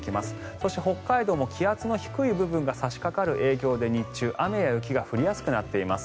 そして北海道も気圧の低い部分が差しかかる影響で日中、雨や雪が降りやすくなっています。